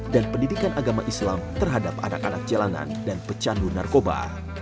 dan pendidikan agama islam terhadap anak anak jalanan dan pecandu narkoba